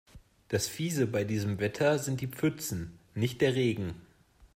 Das Fiese bei diesem Wetter sind die Pfützen, nicht der Regen.